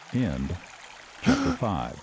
CHAPTER SIX.